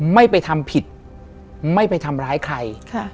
ไม่ไปทำผิดไม่ไปทำร้ายใคร